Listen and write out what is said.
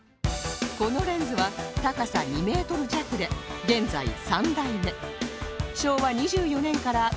このレンズは高さ２メートル弱で現在３代目